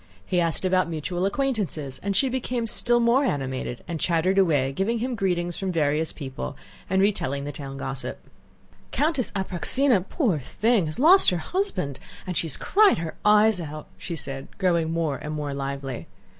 He asked about mutual acquaintances, and she became still more animated and chattered away giving him greetings from various people and retelling the town gossip. "Countess Apráksina, poor thing, has lost her husband and she has cried her eyes out," she said, growing more and more lively.